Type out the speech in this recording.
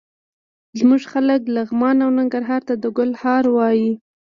زموږ خلک لغمان او ننګرهار ته د ګل هار وايي.